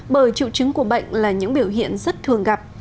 bởi triệu chứng của bệnh là những biểu hiện rất thường gặp